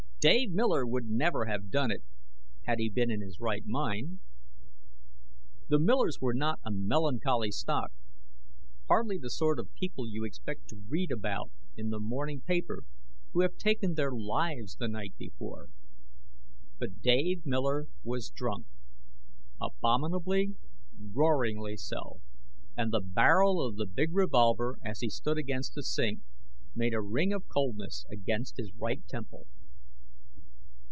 _ Dave Miller would never have done it, had he been in his right mind. The Millers were not a melancholy stock, hardly the sort of people you expect to read about in the morning paper who have taken their lives the night before. But Dave Miller was drunk abominably, roaringly so and the barrel of the big revolver, as he stood against the sink, made a ring of coldness against his right temple.